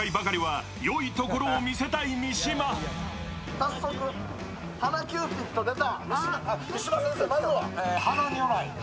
早速、花キューピット出た。